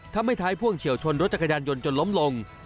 ทำให้ท้ายพ่วงเฉียวชนรถจักรยานยนต์จนล้มลง